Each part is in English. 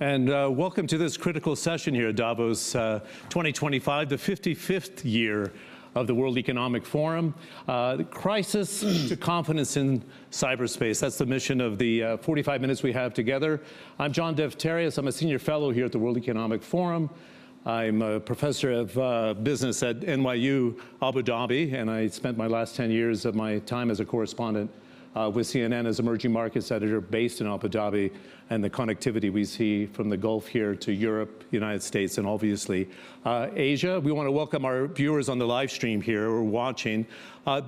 Welcome to this critical session here at Davos 2025, the 55th year of the World Economic Forum. Crisis to Confidence in Cyberspace, that's the mission of the 45 minutes we have together. I'm John Defterios. I'm a senior fellow here at the World Economic Forum. I'm a professor of business at NYU Abu Dhabi, and I spent my last 10 years of my time as a correspondent with CNN as emerging markets editor based in Abu Dhabi and the connectivity we see from the Gulf here to Europe, the United States, and obviously Asia. We want to welcome our viewers on the livestream here who are watching.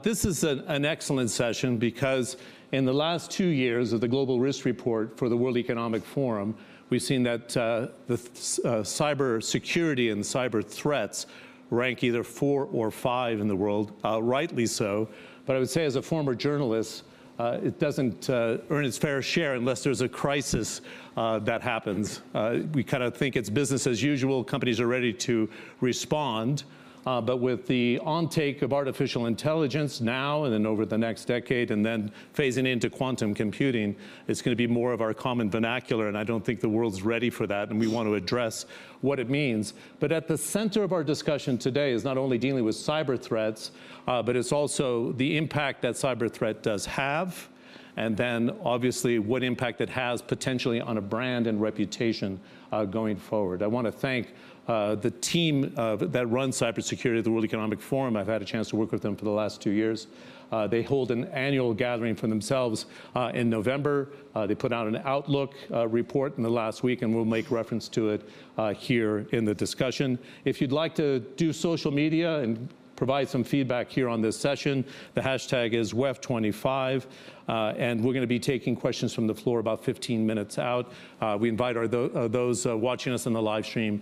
This is an excellent session because in the last two years of the Global Risks Report for the World Economic Forum, we've seen that the cybersecurity and cyber threats rank either four or five in the world, rightly so. But I would say as a former journalist, it doesn't earn its fair share unless there's a crisis that happens. We kind of think it's business as usual. Companies are ready to respond. But with the onset of artificial intelligence now and then over the next decade and then phasing into quantum computing, it's going to be more of our common vernacular. And I don't think the world's ready for that. And we want to address what it means. But at the center of our discussion today is not only dealing with cyber threats, but it's also the impact that cyber threat does have. And then obviously what impact it has potentially on a brand and reputation going forward. I want to thank the team that runs cybersecurity at the World Economic Forum. I've had a chance to work with them for the last two years. They hold an annual gathering for themselves in November. They put out an outlook report in the last week, and we'll make reference to it here in the discussion. If you'd like to do social media and provide some feedback here on this session, the hashtag is #WEF25. And we're going to be taking questions from the floor about 15 minutes out. We invite those watching us in the livestream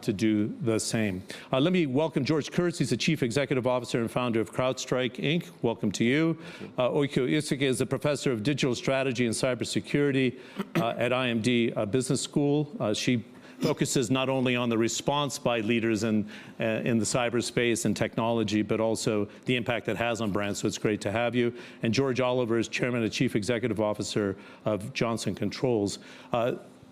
to do the same. Let me welcome George Kurtz. He's the Chief Executive Officer and founder of CrowdStrike Inc. Welcome to you. Öykü Işık is a professor of digital strategy and cybersecurity at IMD Business School. She focuses not only on the response by leaders in the cyberspace and technology, but also the impact that has on brands. So it's great to have you. And George Oliver is Chairman and Chief Executive Officer of Johnson Controls.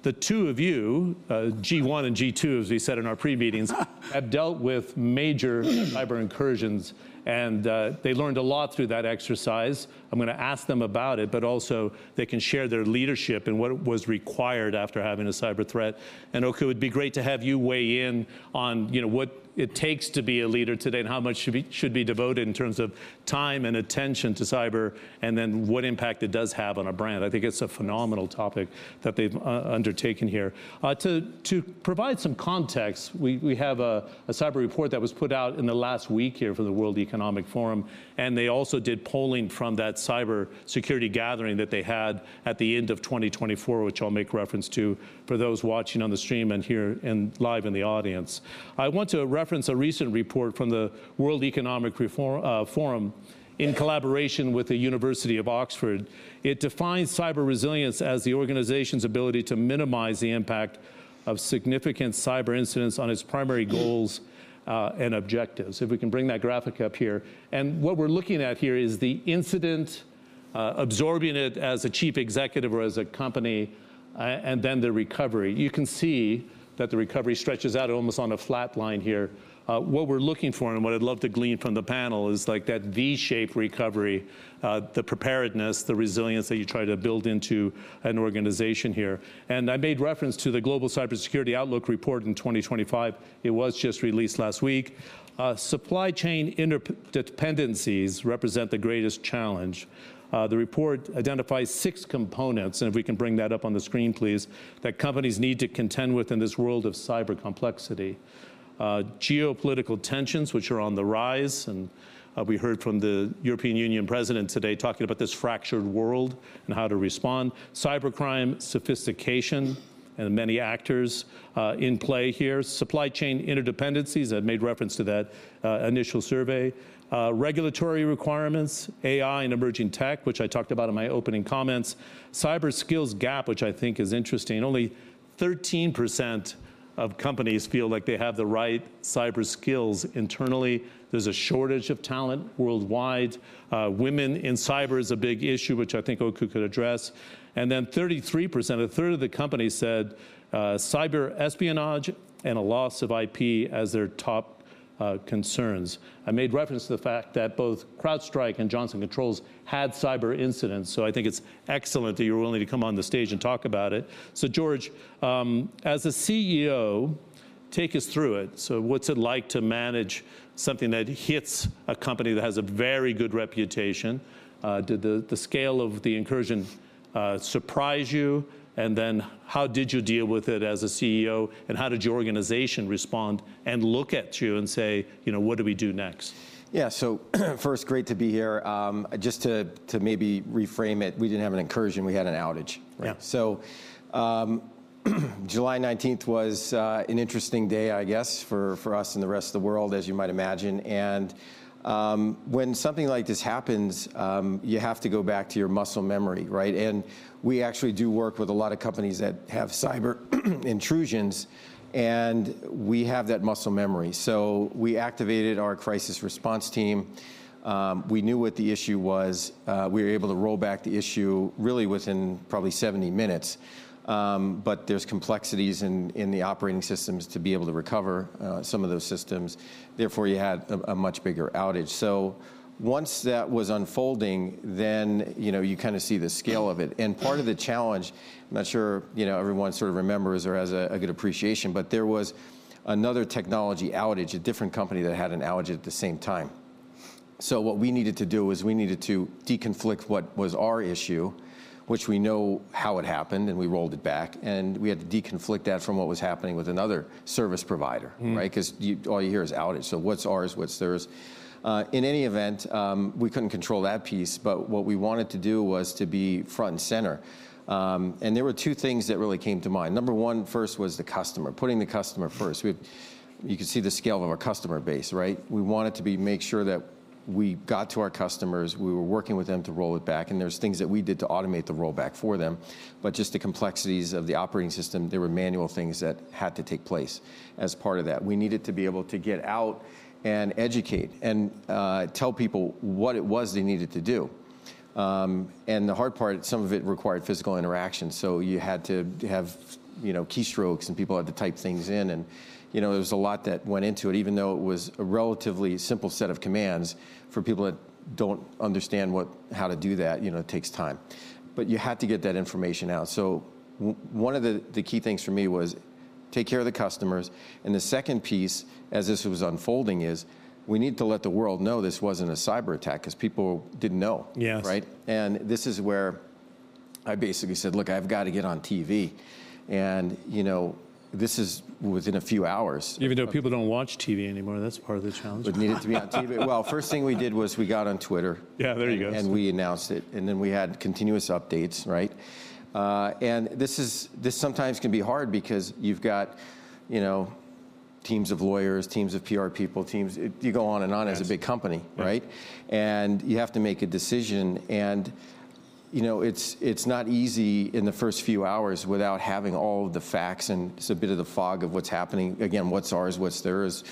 The two of you, G1 and G2, as we said in our pre-meetings, have dealt with major cyber incursions, and they learned a lot through that exercise. I'm going to ask them about it, but also they can share their leadership and what was required after having a cyber threat, and Öykü, it would be great to have you weigh in on what it takes to be a leader today and how much should be devoted in terms of time and attention to cyber, and then what impact it does have on a brand. I think it's a phenomenal topic that they've undertaken here. To provide some context, we have a cyber report that was put out in the last week here for the World Economic Forum. They also did polling from that cybersecurity gathering that they had at the end of 2024, which I'll make reference to for those watching on the stream and here live in the audience. I want to reference a recent report from the World Economic Forum in collaboration with the University of Oxford. It defines cyber resilience as the organization's ability to minimize the impact of significant cyber incidents on its primary goals and objectives. If we can bring that graphic up here. What we're looking at here is the incident, absorbing it as a chief executive or as a company, and then the recovery. You can see that the recovery stretches out almost on a flat line here. What we're looking for and what I'd love to glean from the panel is like that V-shaped recovery, the preparedness, the resilience that you try to build into an organization here. And I made reference to the Global Cybersecurity Outlook 2025. It was just released last week. Supply chain interdependencies represent the greatest challenge. The report identifies six components. And if we can bring that up on the screen, please, that companies need to contend with in this world of cyber complexity. Geopolitical tensions, which are on the rise. And we heard from the European Union president today talking about this fractured world and how to respond. Cybercrime, sophistication, and many actors in play here. Supply chain interdependencies. I made reference to that initial survey. Regulatory requirements, AI and emerging tech, which I talked about in my opening comments. Cyber skills gap, which I think is interesting. Only 13% of companies feel like they have the right cyber skills internally. There's a shortage of talent worldwide. Women in cyber is a big issue, which I think Öykü could address. And then 33%, a third of the companies said cyber espionage and a loss of IP as their top concerns. I made reference to the fact that both CrowdStrike and Johnson Controls had cyber incidents. So I think it's excellent that you're willing to come on the stage and talk about it. So George, as a CEO, take us through it. So what's it like to manage something that hits a company that has a very good reputation? Did the scale of the incursion surprise you? And then how did you deal with it as a CEO? And how did your organization respond and look at you and say, you know, what do we do next? Yeah, so first, great to be here. Just to maybe reframe it, we didn't have an incursion. We had an outage. So July 19th was an interesting day, I guess, for us and the rest of the world, as you might imagine. And when something like this happens, you have to go back to your muscle memory, right? And we actually do work with a lot of companies that have cyber intrusions, and we have that muscle memory. So we activated our crisis response team. We knew what the issue was. We were able to roll back the issue really within probably 70 minutes. But there's complexities in the operating systems to be able to recover some of those systems. Therefore, you had a much bigger outage. So once that was unfolding, then you kind of see the scale of it. Part of the challenge, I'm not sure everyone sort of remembers or has a good appreciation, but there was another technology outage, a different company that had an outage at the same time. What we needed to do is we needed to deconflict what was our issue, which we know how it happened, and we rolled it back. We had to deconflict that from what was happening with another service provider, right? Because all you hear is outage. What's ours? What's theirs? In any event, we couldn't control that piece. What we wanted to do was to be front and center. There were two things that really came to mind. Number one, first was the customer, putting the customer first. You could see the scale of our customer base, right? We wanted to make sure that we got to our customers. We were working with them to roll it back, and there's things that we did to automate the rollback for them, but just the complexities of the operating system, there were manual things that had to take place as part of that. We needed to be able to get out and educate and tell people what it was they needed to do, and the hard part, some of it required physical interaction, so you had to have keystrokes, and people had to type things in, and there was a lot that went into it, even though it was a relatively simple set of commands for people that don't understand how to do that. It takes time, but you had to get that information out, so one of the key things for me was take care of the customers. The second piece, as this was unfolding, is we need to let the world know this wasn't a cyberattack because people didn't know, right? This is where I basically said, look, I've got to get on TV. This is within a few hours. Even though people don't watch TV anymore, that's part of the challenge. But needed to be on TV. Well, first thing we did was we got on Twitter. Yeah, there you go. And we announced it. And then we had continuous updates, right? And this sometimes can be hard because you've got teams of lawyers, teams of PR people, teams. You go on and on as a big company, right? And you have to make a decision. And it's not easy in the first few hours without having all of the facts. And it's a bit of the fog of what's happening. Again, what's ours? What's theirs?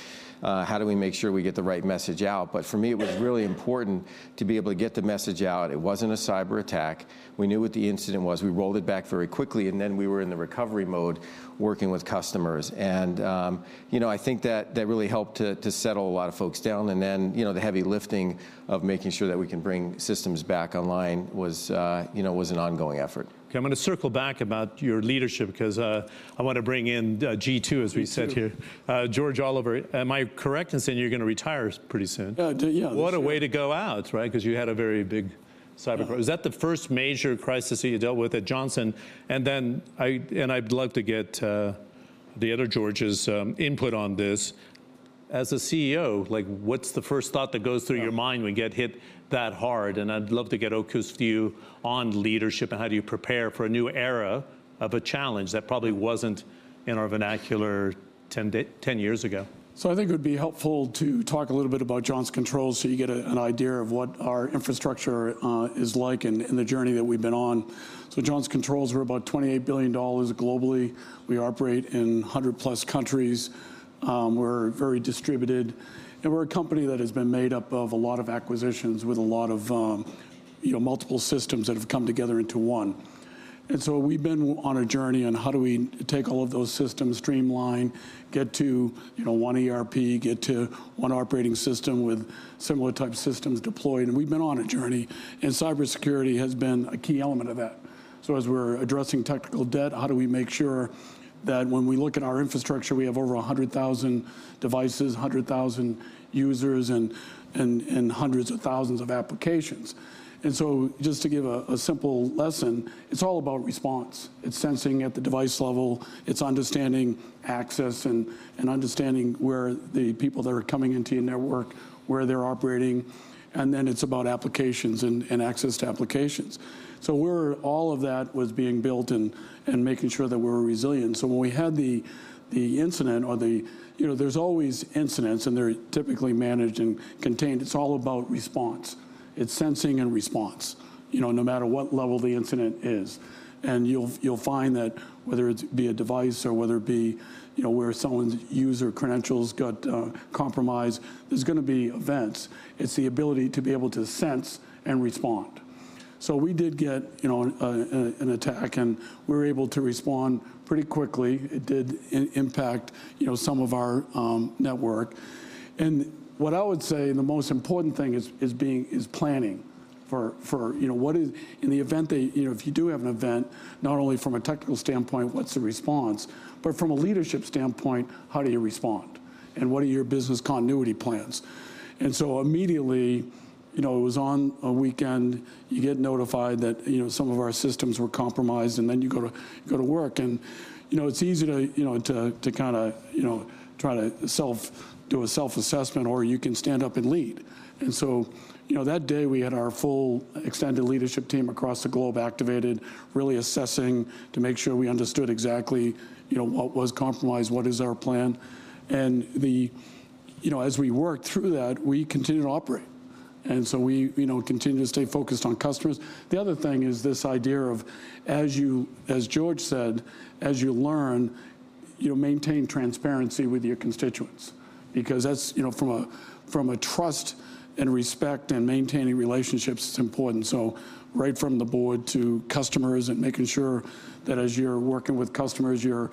How do we make sure we get the right message out? But for me, it was really important to be able to get the message out. It wasn't a cyberattack. We knew what the incident was. We rolled it back very quickly. And then we were in the recovery mode working with customers. And I think that really helped to settle a lot of folks down. And then the heavy lifting of making sure that we can bring systems back online was an ongoing effort. I'm going to circle back about your leadership because I want to bring in G2, as we said here. George Oliver, am I correct in saying you're going to retire pretty soon? Yeah. What a way to go out, right? Because you had a very big cyber crisis. Is that the first major crisis that you dealt with at Johnson? And I'd love to get the other George's input on this. As a CEO, what's the first thought that goes through your mind when you get hit that hard? And I'd love to get Öykü's view on leadership and how do you prepare for a new era of a challenge that probably wasn't in our vernacular 10 years ago? So I think it would be helpful to talk a little bit about Johnson Controls so you get an idea of what our infrastructure is like and the journey that we've been on. So Johnson Controls are about $28 billion globally. We operate in 100-plus countries. We're very distributed. And we're a company that has been made up of a lot of acquisitions with a lot of multiple systems that have come together into one. And so we've been on a journey on how do we take all of those systems, streamline, get to one ERP, get to one operating system with similar type systems deployed. And we've been on a journey. And cybersecurity has been a key element of that. So as we're addressing technical debt, how do we make sure that when we look at our infrastructure, we have over 100,000 devices, 100,000 users, and hundreds of thousands of applications? And so just to give a simple lesson, it's all about response. It's sensing at the device level. It's understanding access and understanding where the people that are coming into your network, where they're operating. And then it's about applications and access to applications. So all of that was being built and making sure that we were resilient. So when we had the incident, or there's always incidents, and they're typically managed and contained. It's all about response. It's sensing and response, no matter what level the incident is. And you'll find that whether it be a device or whether it be where someone's user credentials got compromised, there's going to be events. It's the ability to be able to sense and respond. So we did get an attack, and we were able to respond pretty quickly. It did impact some of our network. And what I would say, the most important thing is planning for what is in the event that if you do have an event, not only from a technical standpoint, what's the response, but from a leadership standpoint, how do you respond? And what are your business continuity plans? And so immediately, it was on a weekend. You get notified that some of our systems were compromised, and then you go to work. And it's easy to kind of try to do a self-assessment, or you can stand up and lead. And so that day, we had our full extended leadership team across the globe activated, really assessing to make sure we understood exactly what was compromised, what is our plan. And as we worked through that, we continued to operate. And so we continued to stay focused on customers. The other thing is this idea of, as George said, as you learn, maintain transparency with your constituents. Because from a trust and respect and maintaining relationships, it's important. So right from the board to customers and making sure that as you're working with customers, you're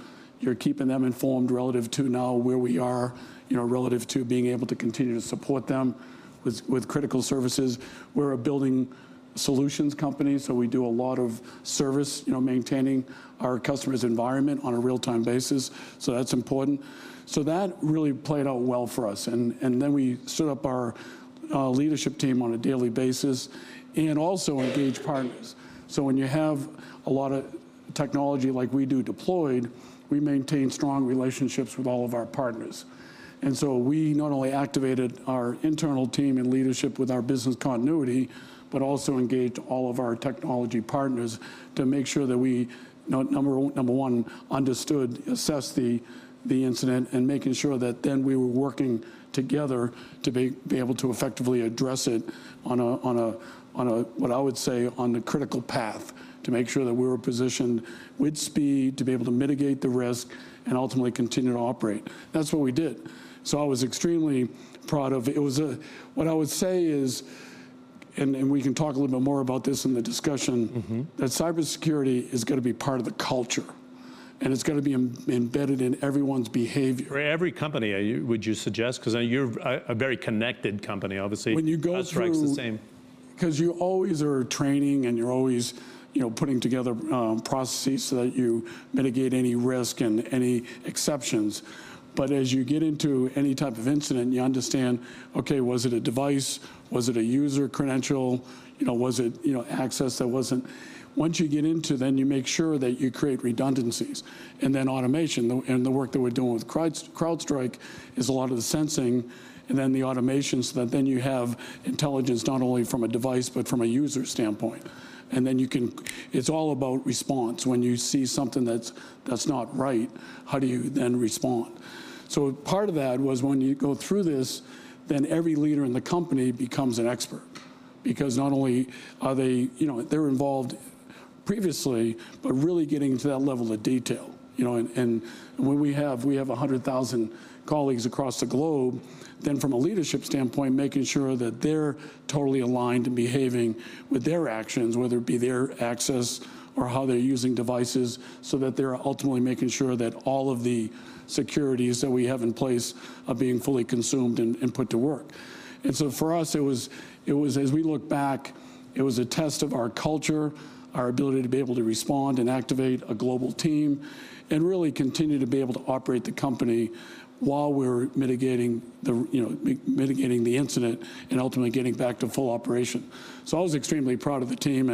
keeping them informed relative to now where we are, relative to being able to continue to support them with critical services. We're a building solutions company. So we do a lot of service maintaining our customer's environment on a real-time basis. So that's important. So that really played out well for us. And then we stood up our leadership team on a daily basis and also engaged partners. So when you have a lot of technology like we do deployed, we maintain strong relationships with all of our partners. And so we not only activated our internal team and leadership with our business continuity, but also engaged all of our technology partners to make sure that we, number one, understood, assessed the incident, and making sure that then we were working together to be able to effectively address it on a, what I would say, on the critical path to make sure that we were positioned with speed to be able to mitigate the risk and ultimately continue to operate. That's what we did. So I was extremely proud of it. What I would say is, and we can talk a little bit more about this in the discussion, that cybersecurity is going to be part of the culture, and it's going to be embedded in everyone's behavior. Every company, would you suggest? Because you're a very connected company, obviously. When you go through. That strikes the same. Because you always are training, and you're always putting together processes so that you mitigate any risk and any exceptions. But as you get into any type of incident, you understand, Öykü, was it a device? Was it a user credential? Was it access that wasn't? Once you get into that, you make sure that you create redundancies. And then automation. And the work that we're doing with CrowdStrike is a lot of the sensing and then the automation so that then you have intelligence not only from a device, but from a user standpoint. And then you can. It's all about response. When you see something that's not right, how do you then respond? So part of that was when you go through this, then every leader in the company becomes an expert. Because not only are they involved previously, but really getting to that level of detail. When we have 100,000 colleagues across the globe, then from a leadership standpoint, making sure that they're totally aligned and behaving with their actions, whether it be their access or how they're using devices, so that they're ultimately making sure that all of the securities that we have in place are being fully consumed and put to work. And so for us, it was, as we look back, it was a test of our culture, our ability to be able to respond and activate a global team, and really continue to be able to operate the company while we're mitigating the incident and ultimately getting back to full operation. So I was extremely proud of the team.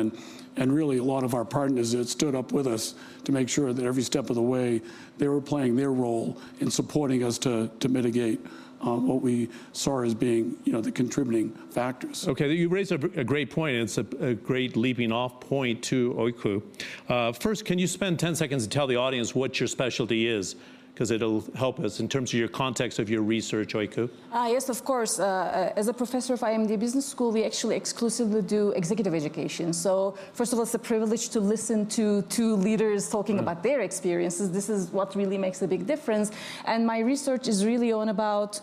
Really, a lot of our partners that stood up with us to make sure that every step of the way, they were playing their role in supporting us to mitigate what we saw as being the contributing factors. OK, you raised a great point, and it's a great leaping-off point too, Öykü. First, can you spend 10 seconds to tell the audience what your specialty is? Because it'll help us in terms of your context of your research, Öykü. Yes, of course. As a professor of IMD Business School, we actually exclusively do executive education. So first of all, it's a privilege to listen to two leaders talking about their experiences. This is what really makes a big difference, and my research is really all about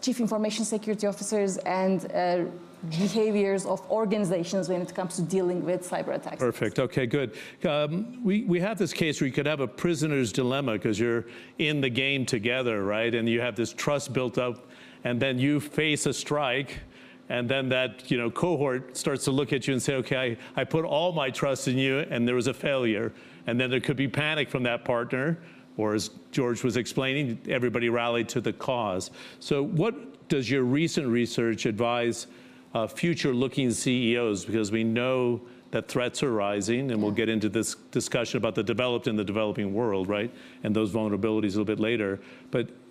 chief information security officers and behaviors of organizations when it comes to dealing with cyberattacks. Perfect. OK, good. We have this case where you could have a prisoner's dilemma because you're in the game together, right? And you have this trust built up. And then you face a strike. And then that cohort starts to look at you and say, OK, I put all my trust in you, and there was a failure. And then there could be panic from that partner. Or as George was explaining, everybody rallied to the cause. So what does your recent research advise future-looking CEOs? Because we know that threats are rising. And we'll get into this discussion about the developed and the developing world, right? And those vulnerabilities a little bit later.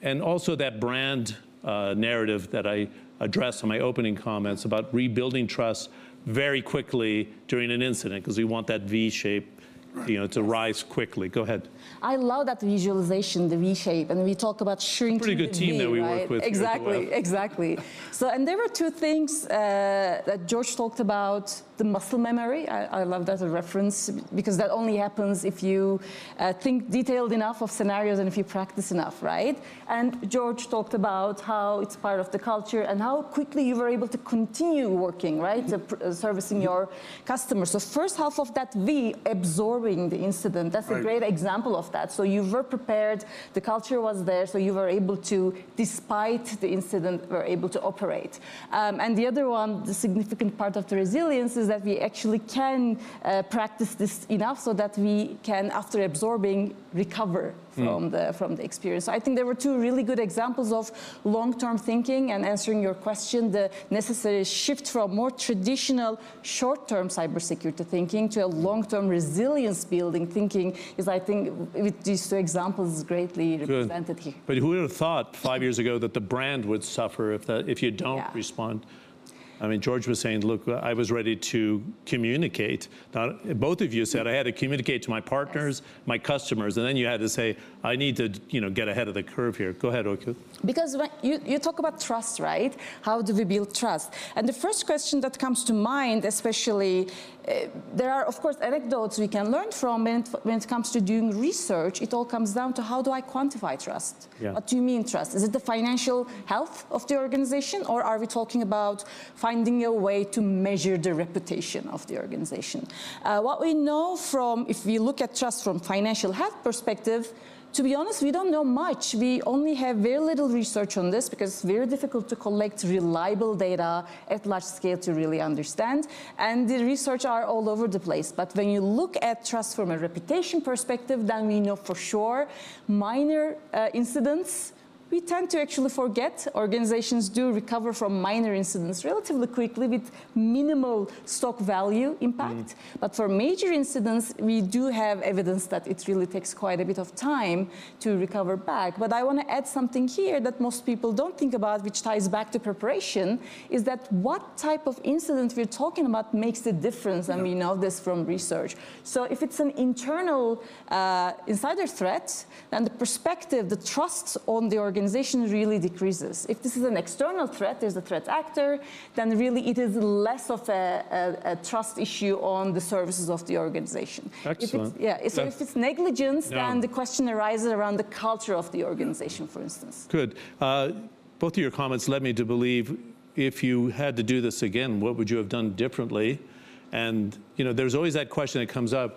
And also that brand narrative that I addressed in my opening comments about rebuilding trust very quickly during an incident. Because we want that V-shape to rise quickly. Go ahead. I love that visualization, the V-shape. And we talk about shrinking. Pretty good team that we work with. Exactly. Exactly. And there were two things that George talked about: the muscle memory. I love that reference. Because that only happens if you think detailed enough of scenarios and if you practice enough, right? And George talked about how it's part of the culture and how quickly you were able to continue working, right, servicing your customers. So first half of that V, absorbing the incident, that's a great example of that. So you were prepared. The culture was there. So you were able to, despite the incident, were able to operate. And the other one, the significant part of the resilience is that we actually can practice this enough so that we can, after absorbing, recover from the experience. So I think there were two really good examples of long-term thinking. Answering your question, the necessary shift from more traditional short-term cybersecurity thinking to a long-term resilience-building thinking is, I think, with these two examples greatly represented here. But who would have thought five years ago that the brand would suffer if you don't respond? I mean, George was saying, look, I was ready to communicate. Both of you said, I had to communicate to my partners, my customers. And then you had to say, I need to get ahead of the curve here. Go ahead, Öykü. Because you talk about trust, right? How do we build trust? And the first question that comes to mind, especially, there are, of course, anecdotes we can learn from. When it comes to doing research, it all comes down to how do I quantify trust? What do you mean trust? Is it the financial health of the organization? Or are we talking about finding a way to measure the reputation of the organization? What we know from, if we look at trust from a financial health perspective, to be honest, we don't know much. We only have very little research on this because it's very difficult to collect reliable data at large scale to really understand. And the research is all over the place. But when you look at trust from a reputation perspective, then we know for sure minor incidents. We tend to actually forget. Organizations do recover from minor incidents relatively quickly with minimal stock value impact, but for major incidents, we do have evidence that it really takes quite a bit of time to recover back, but I want to add something here that most people don't think about, which ties back to preparation, is that what type of incident we're talking about makes the difference, and we know this from research, so if it's an internal insider threat, then the perspective, the trust on the organization really decreases. If this is an external threat, there's a threat actor, then really it is less of a trust issue on the services of the organization. Yeah, so if it's negligence, then the question arises around the culture of the organization, for instance. Good. Both of your comments led me to believe if you had to do this again, what would you have done differently, and there's always that question that comes up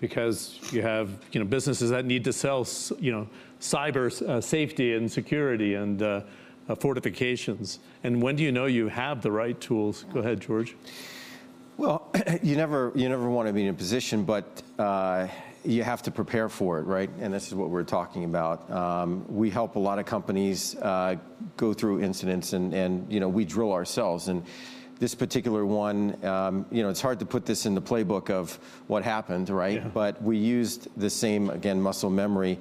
because you have businesses that need to sell cybersafety and security and fortifications, and when do you know you have the right tools? Go ahead, George. You never want to be in a position, but you have to prepare for it, right? And this is what we're talking about. We help a lot of companies go through incidents. And we drill ourselves. And this particular one, it's hard to put this in the playbook of what happened, right? But we used the same, again, muscle memory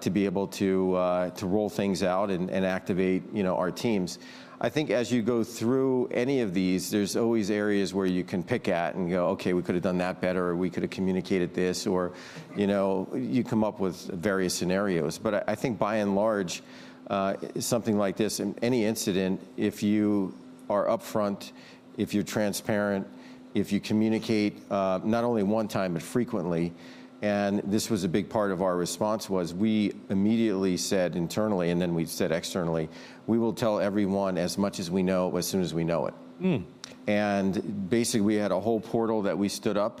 to be able to roll things out and activate our teams. I think as you go through any of these, there's always areas where you can pick at and go, OK, we could have done that better, or we could have communicated this. Or you come up with various scenarios. But I think by and large, something like this, any incident, if you are upfront, if you're transparent, if you communicate not only one time, but frequently. This was a big part of our response. We immediately said internally, and then we said externally, we will tell everyone as much as we know as soon as we know it. Basically, we had a whole portal that we stood up,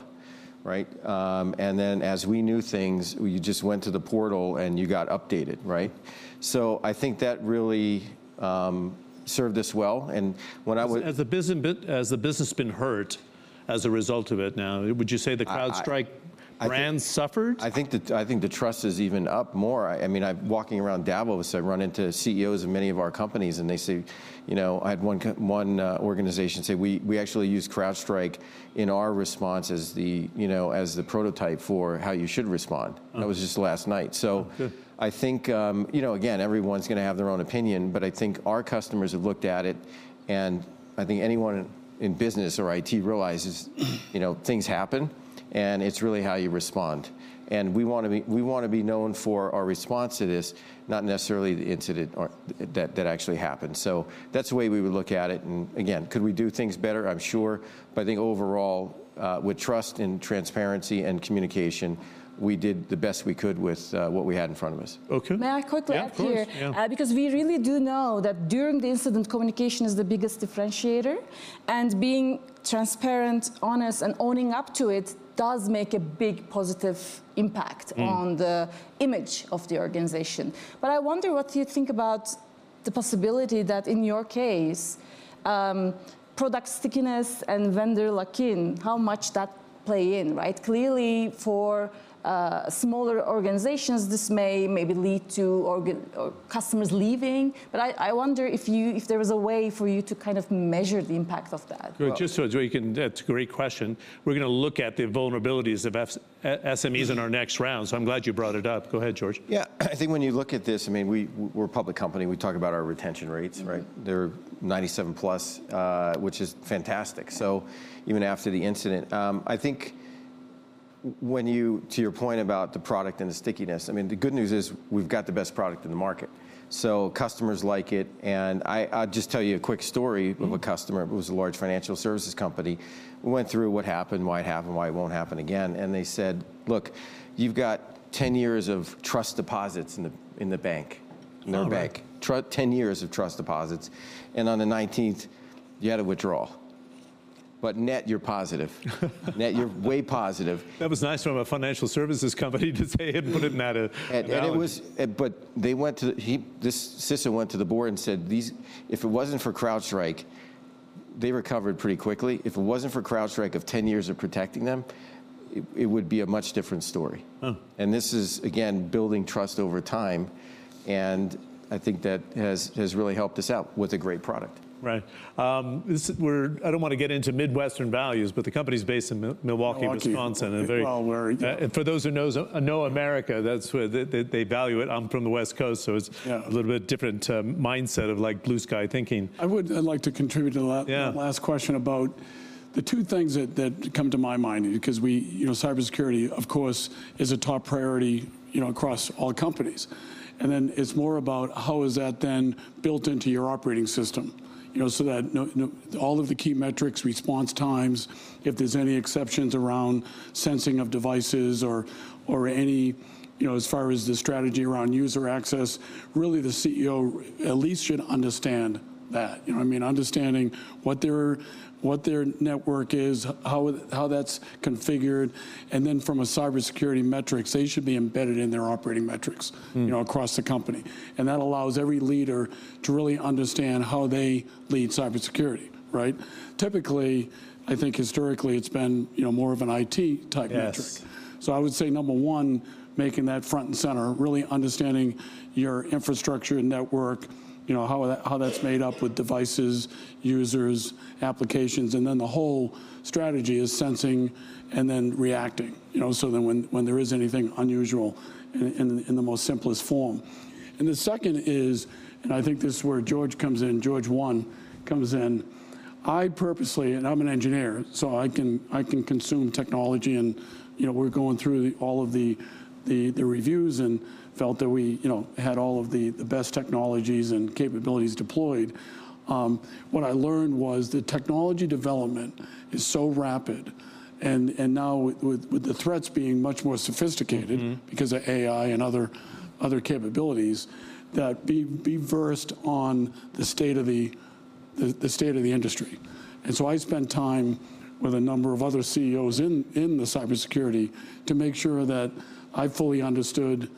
right? Then as we knew things, you just went to the portal and you got updated, right? I think that really served us well. When I was. Has the business been hurt as a result of it now? Would you say the CrowdStrike brand suffered? I think the trust is even up more. I mean, walking around Davos, I run into CEOs of many of our companies. And they say, you know, I had one organization say we actually used CrowdStrike in our responses as the prototype for how you should respond. That was just last night. So I think, you know, again, everyone's going to have their own opinion. But I think our customers have looked at it. And I think anyone in business or IT realizes things happen. And it's really how you respond. And we want to be known for our response to this, not necessarily the incident that actually happened. So that's the way we would look at it. And again, could we do things better? I'm sure. But I think overall, with trust and transparency and communication, we did the best we could with what we had in front of us. OK. May I quickly add here? Of course. Because we really do know that during the incident, communication is the biggest differentiator, and being transparent, honest, and owning up to it does make a big positive impact on the image of the organization, but I wonder what you think about the possibility that in your case, product stickiness and vendor lock-in, how much that plays in, right? Clearly, for smaller organizations, this may lead to customers leaving, but I wonder if there was a way for you to kind of measure the impact of that. Good. Just so we can, that's a great question. We're going to look at the vulnerabilities of SMEs in our next round. So I'm glad you brought it up. Go ahead, George. Yeah. I think when you look at this, I mean, we're a public company. We talk about our retention rates, right? They're 97-plus%, which is fantastic. So even after the incident, I think when you, to your point about the product and the stickiness, I mean, the good news is we've got the best product in the market. So customers like it. And I'll just tell you a quick story of a customer. It was a large financial services company. We went through what happened, why it happened, why it won't happen again. And they said, look, you've got 10 years of trust deposits in the bank, in their bank. 10 years of trust deposits. And on the 19th, you had a withdrawal. But net, you're positive. Net, you're way positive. That was nice from a financial services company to say it and put it in that. And it was, but they went to this system went to the board and said, if it wasn't for CrowdStrike, they recovered pretty quickly. If it wasn't for CrowdStrike of 10 years of protecting them, it would be a much different story. And this is, again, building trust over time. And I think that has really helped us out with a great product. Right. I don't want to get into Midwestern values, but the company's based in Milwaukee, Wisconsin. And for those who know America, that's where they value it. I'm from the West Coast. So it's a little bit different mindset of like blue sky thinking. I would like to contribute to that last question about the two things that come to my mind. Because cybersecurity, of course, is a top priority across all companies. And then it's more about how is that then built into your operating system so that all of the key metrics, response times, if there's any exceptions around sensing of devices or any, as far as the strategy around user access, really the CEO at least should understand that. You know what I mean? Understanding what their network is, how that's configured. And then from a cybersecurity metrics, they should be embedded in their operating metrics across the company. And that allows every leader to really understand how they lead cybersecurity, right? Typically, I think historically, it's been more of an IT-type metric. So, I would say number one, making that front and center, really understanding your infrastructure network, how that's made up with devices, users, applications. And then the whole strategy is sensing and then reacting so that when there is anything unusual in the most simplest form. And the second is, and I think this is where George comes in, George One comes in. I purposely, and I'm an engineer, so I can consume technology. And we're going through all of the reviews and felt that we had all of the best technologies and capabilities deployed. What I learned was the technology development is so rapid. And now with the threats being much more sophisticated because of AI and other capabilities, that be versed on the state of the industry. And so I spent time with a number of other CEOs in the cybersecurity to make sure that I fully understood,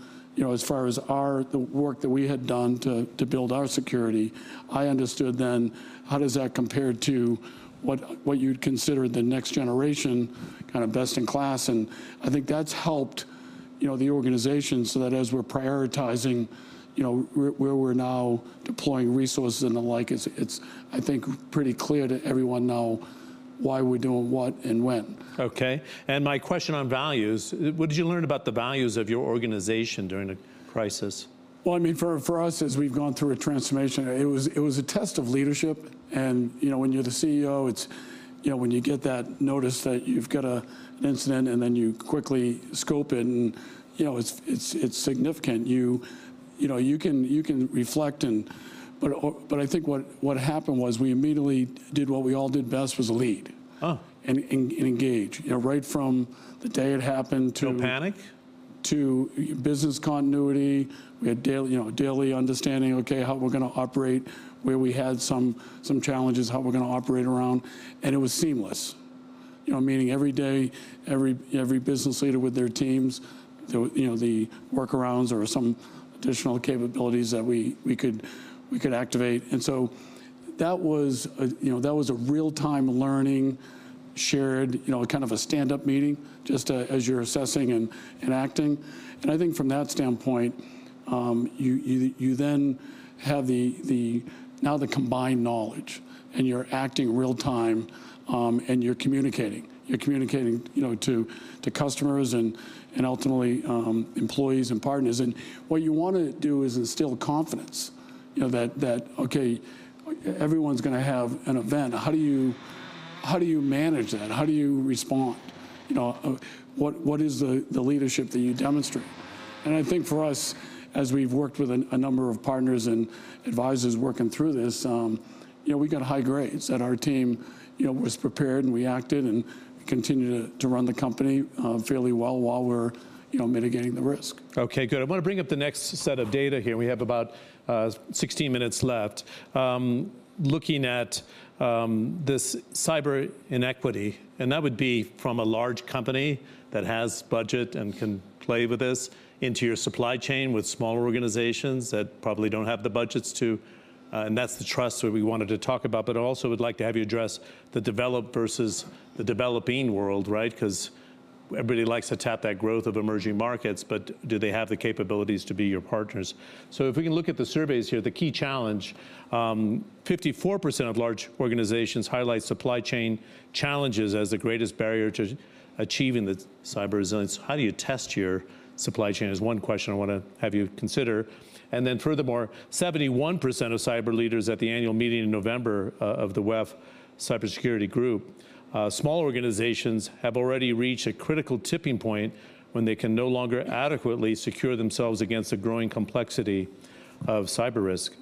as far as the work that we had done to build our security, I understood then how does that compare to what you'd consider the next generation kind of best in class. And I think that's helped the organization so that as we're prioritizing where we're now deploying resources and the like, it's, I think, pretty clear to everyone now why we're doing what and when. OK. And my question on values, what did you learn about the values of your organization during a crisis? I mean, for us, as we've gone through a transformation, it was a test of leadership. When you're the CEO, it's when you get that notice that you've got an incident, and then you quickly scope it, and it's significant. You can reflect. I think what happened was we immediately did what we all did best was lead and engage, right from the day it happened to. No panic? To business continuity. We had daily understanding, OK, how we're going to operate, where we had some challenges, how we're going to operate around. And it was seamless, meaning every day, every business leader with their teams, the workarounds or some additional capabilities that we could activate. And so that was a real-time learning, shared, kind of a stand-up meeting just as you're assessing and acting. And I think from that standpoint, you then have now the combined knowledge. And you're acting real time. And you're communicating. You're communicating to customers and ultimately employees and partners. And what you want to do is instill confidence that, OK, everyone's going to have an event. How do you manage that? How do you respond? What is the leadership that you demonstrate? And I think for us, as we've worked with a number of partners and advisors working through this, we got high grades that our team was prepared. And we acted and continued to run the company fairly well while we're mitigating the risk. OK, good. I want to bring up the next set of data here. We have about 16 minutes left. Looking at this cyber inequity, and that would be from a large company that has budget and can play with this into your supply chain with small organizations that probably don't have the budgets to, and that's the trust that we wanted to talk about. But I also would like to have you address the developed versus the developing world, right? Because everybody likes to tap that growth of emerging markets. But do they have the capabilities to be your partners? So if we can look at the surveys here, the key challenge, 54% of large organizations highlight supply chain challenges as the greatest barrier to achieving the cyber resilience. How do you test your supply chain is one question I want to have you consider. Furthermore, 71% of cyber leaders at the annual meeting in November of the WEF Cybersecurity Group, small organizations have already reached a critical tipping point when they can no longer adequately secure themselves against the growing complexity of cyber risk.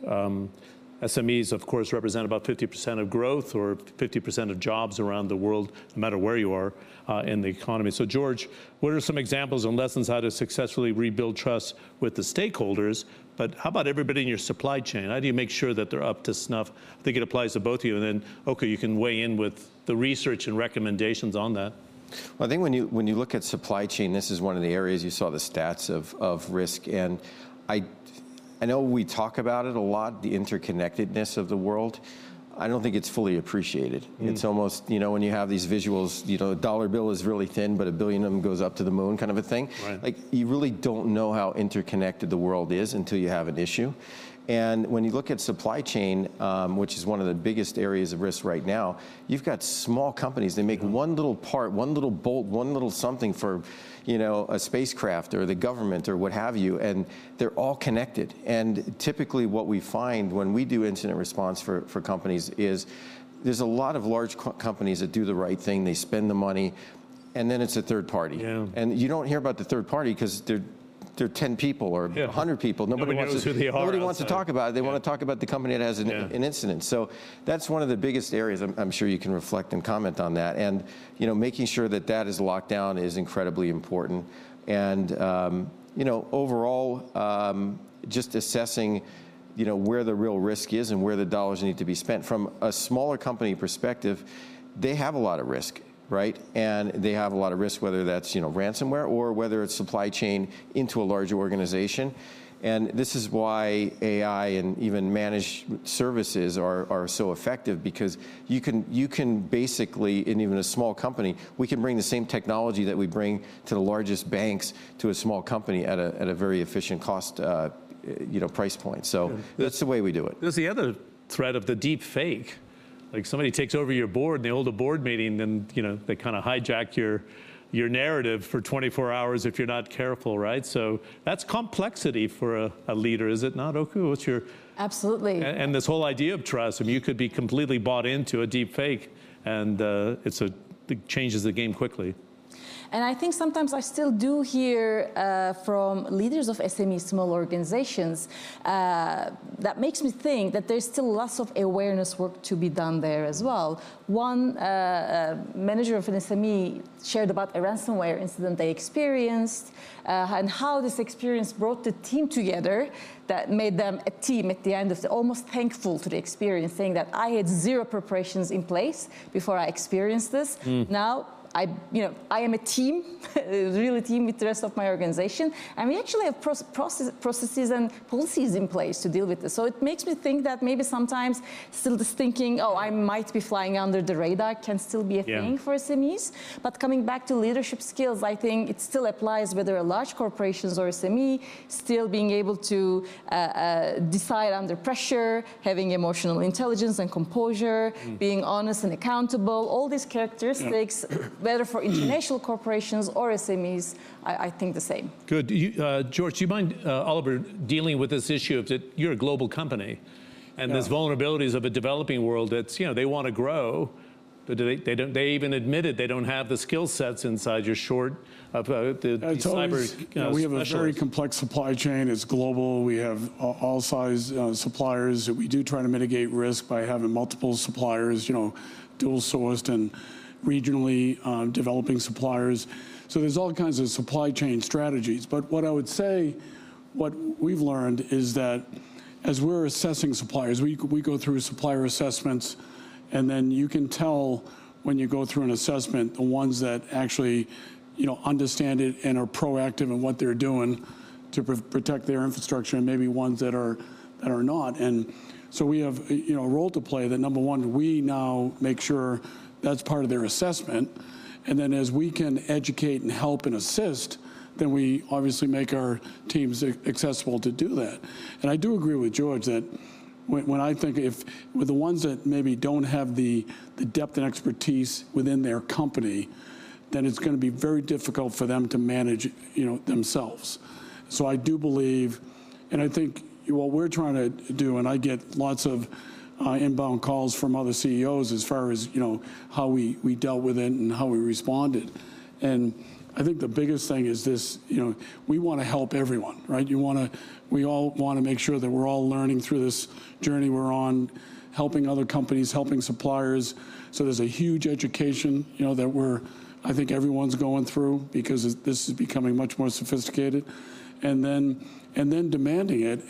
SMEs, of course, represent about 50% of growth or 50% of jobs around the world, no matter where you are in the economy. George, what are some examples and lessons how to successfully rebuild trust with the stakeholders? How about everybody in your supply chain? How do you make sure that they're up to snuff? I think it applies to both of you. OK, you can weigh in with the research and recommendations on that. I think when you look at supply chain, this is one of the areas you saw the stats of risk. I know we talk about it a lot, the interconnectedness of the world. I don't think it's fully appreciated. It's almost when you have these visuals, a dollar bill is really thin, but a billion of them goes up to the moon kind of a thing. You really don't know how interconnected the world is until you have an issue. When you look at supply chain, which is one of the biggest areas of risk right now, you've got small companies. They make one little part, one little bolt, one little something for a spacecraft or the government or what have you. They're all connected. Typically what we find when we do incident response for companies is there's a lot of large companies that do the right thing. They spend the money. Then it's a third party. And you don't hear about the third party because they're 10 people or 100 people. Nobody wants to talk about it. They want to talk about the company that has an incident. That's one of the biggest areas. I'm sure you can reflect and comment on that. Making sure that that is locked down is incredibly important. Overall, just assessing where the real risk is and where the dollars need to be spent. From a smaller company perspective, they have a lot of risk, right? They have a lot of risk, whether that's ransomware or whether it's supply chain into a larger organization. This is why AI and even managed services are so effective. Because you can basically, in even a small company, we can bring the same technology that we bring to the largest banks to a small company at a very efficient price point. That's the way we do it. There's the other threat of the deepfake. Like somebody takes over your board and they hold a board meeting, then they kind of hijack your narrative for 24 hours if you're not careful, right? So that's complexity for a leader, is it not, Öykü? What's your. Absolutely. This whole idea of trust, you could be completely bought into a deepfake. It changes the game quickly. And I think sometimes I still do hear from leaders of SMEs, small organizations, that makes me think that there's still lots of awareness work to be done there as well. One manager of an SME shared about a ransomware incident they experienced and how this experience brought the team together, that made them a team at the end, almost thankful to the experience, saying that "I had zero preparations in place before I experienced this. Now I am a team, a real team with the rest of my organization. And we actually have processes and policies in place to deal with this." So it makes me think that maybe sometimes still this thinking, "oh, I might be flying under the radar," can still be a thing for SMEs. But coming back to leadership skills, I think it still applies whether large corporations or SME, still being able to decide under pressure, having emotional intelligence and composure, being honest and accountable, all these characteristics, whether for international corporations or SMEs, I think the same. Good. George, do you mind Oliver dealing with this issue that you're a global company and there's vulnerabilities of a developing world that they want to grow? But they even admitted they don't have the skill sets inside your short cyber. We have a very complex supply chain. It's global. We have all size suppliers. We do try to mitigate risk by having multiple suppliers, dual-sourced and regionally developing suppliers, so there's all kinds of supply chain strategies, but what I would say, what we've learned is that as we're assessing suppliers, we go through supplier assessments, and then you can tell when you go through an assessment the ones that actually understand it and are proactive in what they're doing to protect their infrastructure and maybe ones that are not, and so we have a role to play that number one, we now make sure that's part of their assessment, and then as we can educate and help and assist, then we obviously make our teams accessible to do that. I do agree with George that when I think with the ones that maybe don't have the depth and expertise within their company, then it's going to be very difficult for them to manage themselves. I do believe, and I think what we're trying to do, and I get lots of inbound calls from other CEOs as far as how we dealt with it and how we responded. I think the biggest thing is this, we want to help everyone, right? We all want to make sure that we're all learning through this journey we're on, helping other companies, helping suppliers. There's a huge education that I think everyone's going through because this is becoming much more sophisticated. And then demanding it.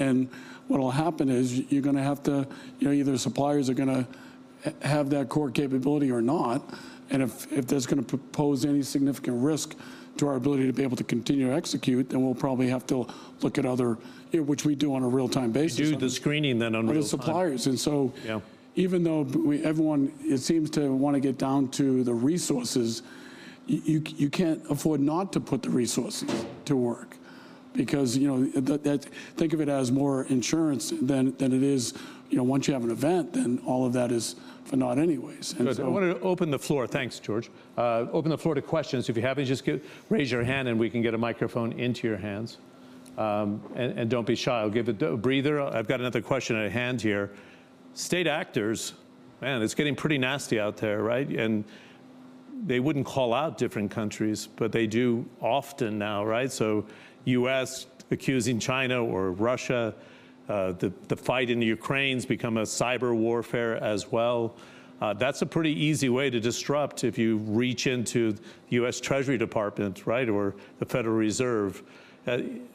What will happen is you're going to have to either suppliers are going to have that core capability or not. If that's going to pose any significant risk to our ability to be able to continue to execute, then we'll probably have to look at other, which we do on a real-time basis. Do the screening then on real-time. But it's suppliers. And so even though everyone seems to want to get down to the resources, you can't afford not to put the resources to work. Because think of it as more insurance than it is once you have an event, then all of that is for naught anyways. Good. I want to open the floor. Thanks, George. Open the floor to questions. If you haven't, just raise your hand and we can get a microphone into your hands, and don't be shy. I'll give it a breather. I've got another question at hand here. State actors, man, it's getting pretty nasty out there, right, and they wouldn't call out different countries, but they do often now, right, so U.S. accusing China or Russia, the fight in the Ukraine's become a cyberwarfare as well. That's a pretty easy way to disrupt if you reach into the U.S. Treasury Department, right, or the Federal Reserve.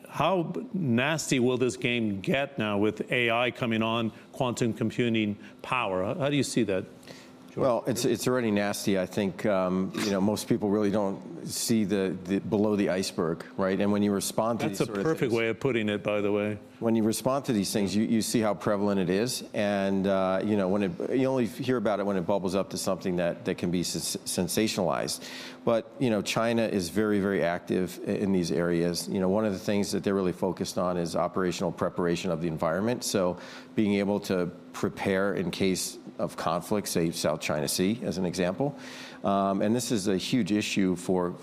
How nasty will this game get now with AI coming on quantum computing power? How do you see that? It's already nasty. I think most people really don't see below the iceberg, right? When you respond to. That's a perfect way of putting it, by the way. When you respond to these things, you see how prevalent it is. And you only hear about it when it bubbles up to something that can be sensationalized. But China is very, very active in these areas. One of the things that they're really focused on is operational preparation of the environment. So being able to prepare in case of conflicts, say, South China Sea as an example. And this is a huge issue for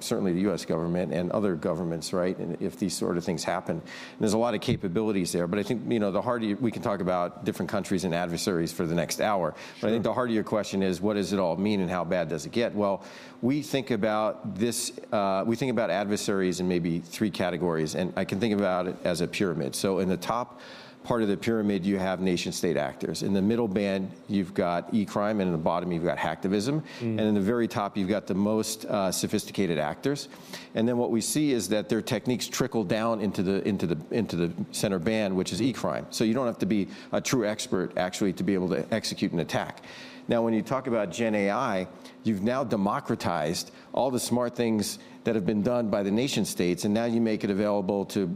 certainly the U.S. government and other governments, right, if these sort of things happen. And there's a lot of capabilities there. But I think we can talk about different countries and adversaries for the next hour. But I think the harder question is, what does it all mean and how bad does it get? Well, we think about adversaries in maybe three categories. And I can think about it as a pyramid. So in the top part of the pyramid, you have nation-state actors. In the middle band, you've got e-crime, and in the bottom, you've got hacktivism, and in the very top, you've got the most sophisticated actors, and then what we see is that their techniques trickle down into the center band, which is e-crime, so you don't have to be a true expert actually to be able to execute an attack. Now, when you talk about GenAI, you've now democratized all the smart things that have been done by the nation-states, and now you make it available to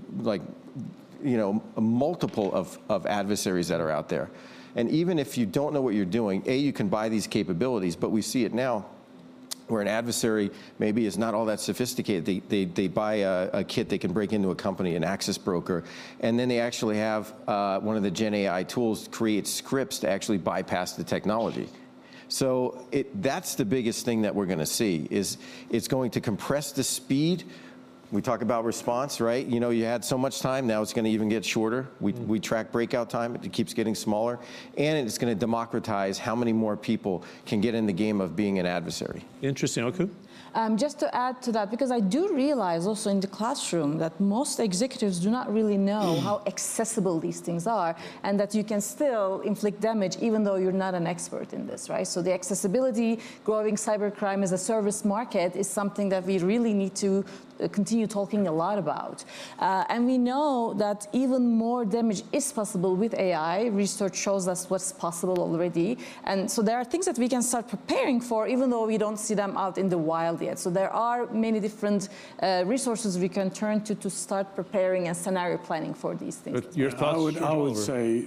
multiple adversaries that are out there, and even if you don't know what you're doing, A, you can buy these capabilities, but we see it now where an adversary maybe is not all that sophisticated, they buy a kit they can break into a company, an access broker. And then they actually have one of the GenAI tools create scripts to actually bypass the technology. So that's the biggest thing that we're going to see is it's going to compress the speed. We talk about response, right? You had so much time. Now it's going to even get shorter. We track breakout time. It keeps getting smaller. And it's going to democratize how many more people can get in the game of being an adversary. Interesting. Öykü? Just to add to that, because I do realize also in the classroom that most executives do not really know how accessible these things are and that you can still inflict damage even though you're not an expert in this, right? So the accessibility, growing cybercrime as a service market is something that we really need to continue talking a lot about. And we know that even more damage is possible with AI. Research shows us what's possible already. And so there are things that we can start preparing for even though we don't see them out in the wild yet. So there are many different resources we can turn to to start preparing and scenario planning for these things. But your thoughts? I would say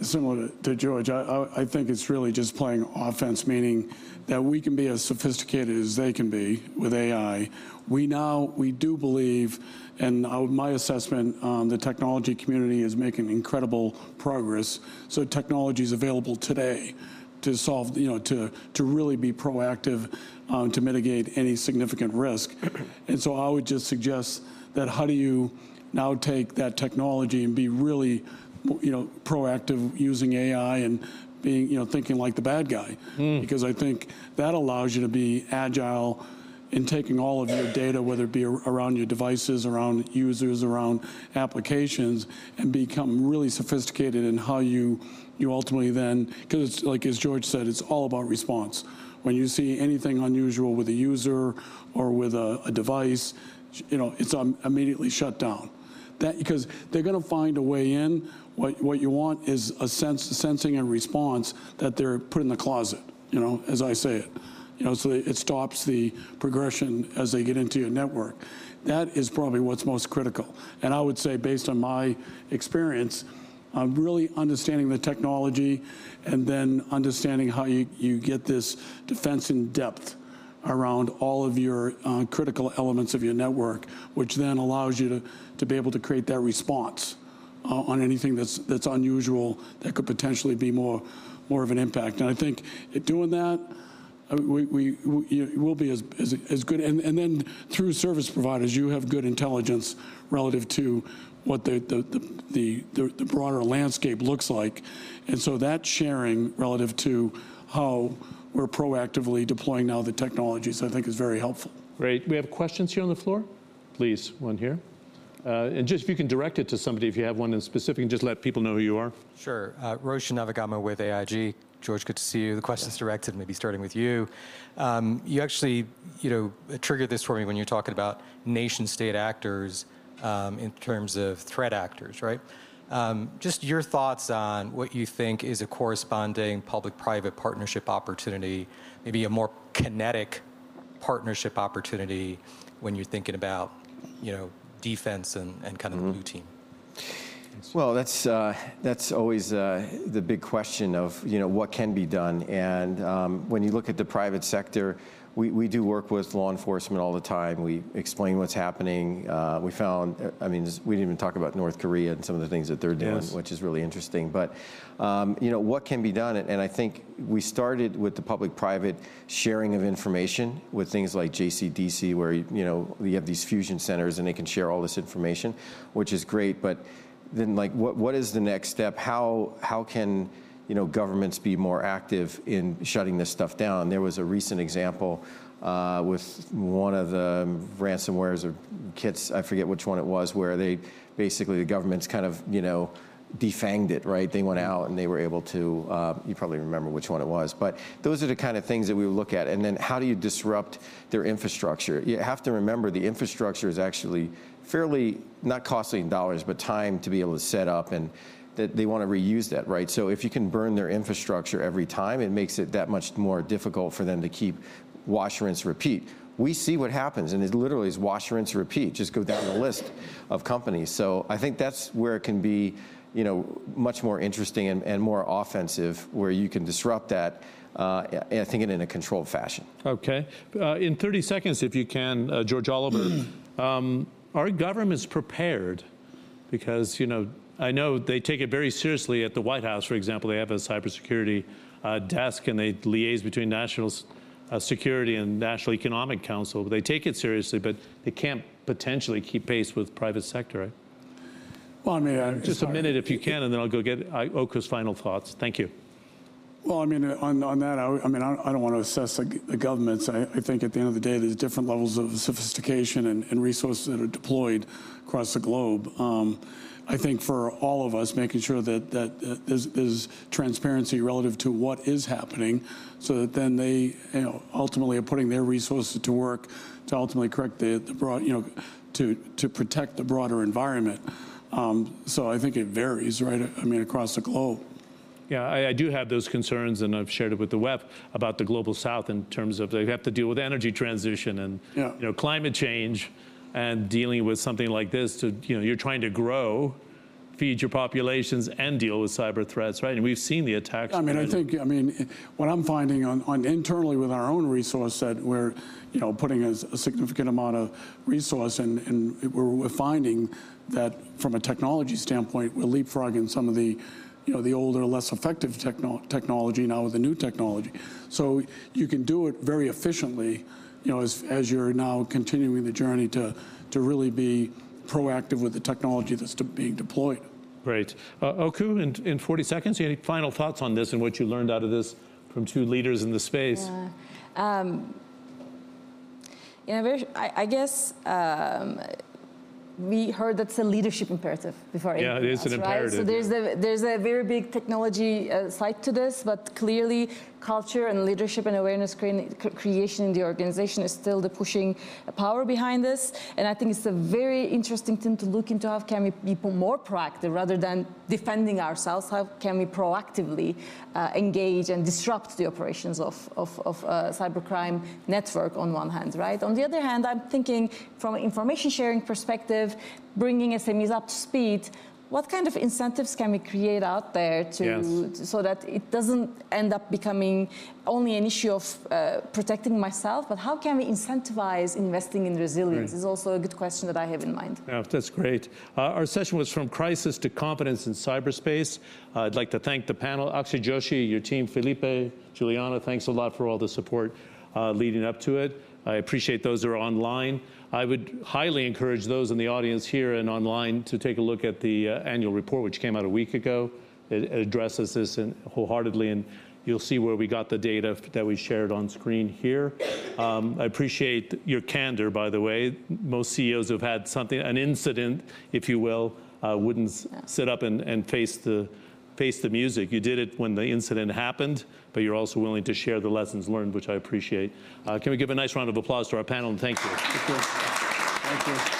similar to George. I think it's really just playing offense, meaning that we can be as sophisticated as they can be with AI. We do believe, and my assessment, the technology community is making incredible progress. So technology is available today to really be proactive to mitigate any significant risk. And so I would just suggest that how do you now take that technology and be really proactive using AI and thinking like the bad guy? Because I think that allows you to be agile in taking all of your data, whether it be around your devices, around users, around applications, and become really sophisticated in how you ultimately then, because like George said, it's all about response. When you see anything unusual with a user or with a device, it's immediately shut down. Because they're going to find a way in. What you want is a sensor and response that they're putting in the cloud, as I say it, so it stops the progression as they get into your network. That is probably what's most critical, and I would say, based on my experience, really understanding the technology and then understanding how you get this defense in depth around all of your critical elements of your network, which then allows you to be able to create that response on anything that's unusual that could potentially be more of an impact, and I think doing that will be as good, and then through service providers, you have good intelligence relative to what the broader landscape looks like, and so that sharing relative to how we're proactively deploying now the technologies I think is very helpful. Great. We have questions here on the floor. Please, one here. And just if you can direct it to somebody, if you have one in specific, and just let people know who you are. Sure. Roshan Navagamuwa with AIG. George, good to see you. The question's directed, maybe starting with you. You actually triggered this for me when you're talking about nation-state actors in terms of threat actors, right? Just your thoughts on what you think is a corresponding public-private partnership opportunity, maybe a more kinetic partnership opportunity when you're thinking about defense and kind of routine? That's always the big question of what can be done. When you look at the private sector, we do work with law enforcement all the time. We explain what's happening. I mean, we didn't even talk about North Korea and some of the things that they're doing, which is really interesting. What can be done? I think we started with the public-private sharing of information with things like JCDC, where you have these fusion centers and they can share all this information, which is great. Then what is the next step? How can governments be more active in shutting this stuff down? There was a recent example with one of the ransomwares or kits, I forget which one it was, where basically the government's kind of defanged it, right? They went out and they were able to, you probably remember which one it was. But those are the kind of things that we would look at. And then how do you disrupt their infrastructure? You have to remember the infrastructure is actually fairly not costly in dollars, but time to be able to set up. And they want to reuse that, right? So if you can burn their infrastructure every time, it makes it that much more difficult for them to keep wash, rinse, repeat. We see what happens. And it literally is wash, rinse, repeat. Just go down the list of companies. So I think that's where it can be much more interesting and more offensive where you can disrupt that, I think, in a controlled fashion. OK. In 30 seconds, if you can, George Oliver, are governments prepared? Because I know they take it very seriously at the White House, for example. They have a cybersecurity desk, and they liaise between National Security and National Economic Council. They take it seriously, but they can't potentially keep pace with private sector, right? I mean. Just a minute if you can, and then I'll go get Öykü's final thoughts. Thank you. I mean, on that, I mean, I don't want to assess the governments. I think at the end of the day, there's different levels of sophistication and resources that are deployed across the globe. I think for all of us, making sure that there's transparency relative to what is happening so that then they ultimately are putting their resources to work to ultimately protect the broader environment. I think it varies, right? I mean, across the globe. Yeah. I do have those concerns, and I've shared it with the WEF about the Global South in terms of they have to deal with energy transition and climate change and dealing with something like this. You're trying to grow, feed your populations, and deal with cyber threats, right? And we've seen the attacks. I mean, I think, I mean, what I'm finding internally with our own resource that we're putting a significant amount of resource, and we're finding that from a technology standpoint, we're leapfrogging some of the older, less effective technology now with the new technology. So you can do it very efficiently as you're now continuing the journey to really be proactive with the technology that's being deployed. Great. Öykü, in 40 seconds, any final thoughts on this and what you learned out of this from two leaders in the space? I guess we heard that's a leadership imperative before I even started. Yeah, it is an imperative. So there's a very big technology side to this. But clearly, culture and leadership and awareness creation in the organization is still the pushing power behind this. And I think it's a very interesting thing to look into how can we be more proactive rather than defending ourselves. How can we proactively engage and disrupt the operations of a cybercrime network on one hand, right? On the other hand, I'm thinking from an information sharing perspective, bringing SMEs up to speed, what kind of incentives can we create out there so that it doesn't end up becoming only an issue of protecting myself, but how can we incentivize investing in resilience is also a good question that I have in mind. Yeah, that's great. Our session was From Crisis to Competence in Cyberspace. I'd like to thank the panel, Akshay Joshi, your team, Felipe, Juliana, thanks a lot for all the support leading up to it. I appreciate those who are online. I would highly encourage those in the audience here and online to take a look at the annual report, which came out a week ago. It addresses this wholeheartedly, and you'll see where we got the data that we shared on screen here. I appreciate your candor, by the way. Most CEOs who've had something, an incident, if you will, wouldn't sit up and face the music. You did it when the incident happened, but you're also willing to share the lessons learned, which I appreciate. Can we give a nice round of applause to our panel, and thank you. Thank you.